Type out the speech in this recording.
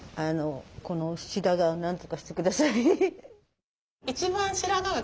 この白髪をなんとかして下さい。